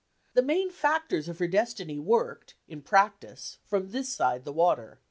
The main factors of her destiny worked, in practice, from this side the water.